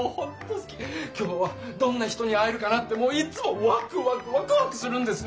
きょうはどんな人に会えるかなってもういつもワクワクワクワクするんですね。